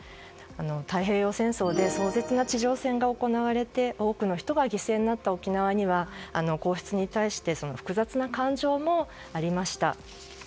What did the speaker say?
太平洋戦争で壮絶な地上戦が行われて多くの人が犠牲になった沖縄には皇室に対して複雑な感情もありました。